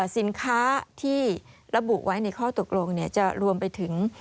สินค้าที่ระบุไว้ในข้อตกลงจะรวมไปถึง